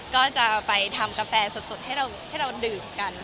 ก็จะไปทำกาแฟสดสดให้เราให้เราดื่มกัน